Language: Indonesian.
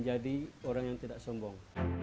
jadi orang yang tidak sombong